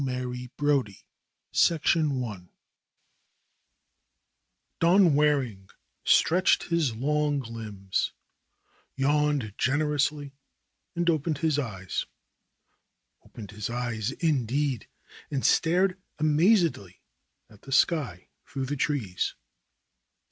20« \ THE ROSE COLORED WORLD Don Waring stretched his long limbs, yawned gener ously and opened his eyes, opened his eyes indeed, and stared amazedly at the sky through the trees.